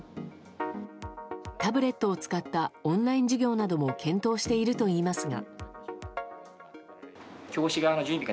タブレットを使ったオンライン授業なども検討しているといいますが。